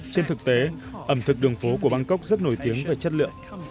trên thực tế ẩm thực đường phố của bangkok rất nổi tiếng về chất lượng